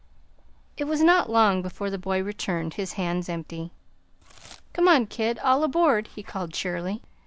It was not long before the boy returned, his hands empty. "Come on, kid. All aboard," he called cheerily.